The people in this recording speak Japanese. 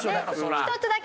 １つだけ？